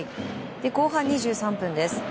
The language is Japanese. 後半２３分です。